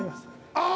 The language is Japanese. ああ。